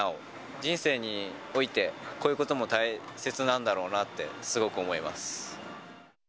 人生において、こういうことも大切なんだろうなってすごく思います。